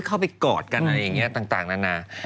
เข้าไปกอดกันอะไรอย่างนี้ต่างนานา